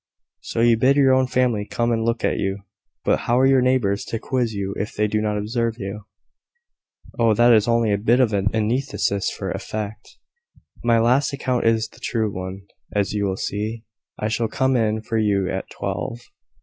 "So you bid your own family come and look at you. But how are your neighbours to quiz you if they do not observe you?" "Oh, that was only a bit of antithesis for effect. My last account is the true one, as you will see. I shall come in for you at twelve."